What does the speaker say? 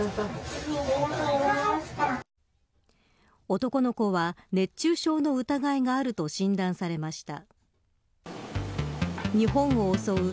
男の子は熱中症の疑いがあると診断されました。